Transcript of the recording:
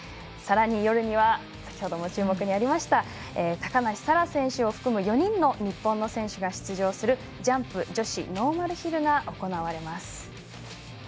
さらに、夜には高梨沙羅選手を含む４人の日本の選手が出場するジャンプ女子ノーマルヒルが行われます。